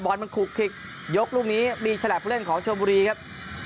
บอลมันคลุกคลิกยกรุ่งนี้มีฉลายผู้เล่นของโชบุรีครับ